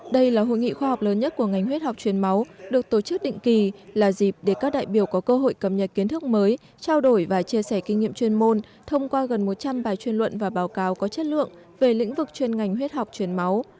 đây là hội nghị khoa học lớn nhất của ngành huyết học truyền máu được tổ chức định kỳ là dịp để các đại biểu có cơ hội cập nhật kiến thức mới trao đổi và chia sẻ kinh nghiệm chuyên môn thông qua gần một trăm linh bài chuyên luận và báo cáo có chất lượng về lĩnh vực chuyên ngành huyết học truyền máu